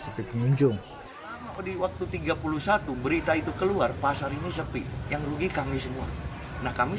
sepi pengunjung lama di waktu tiga puluh satu berita itu keluar pasar ini sepi yang rugi kami semua nah kami